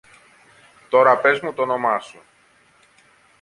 Τώρα πες μου τ' όνομα σου.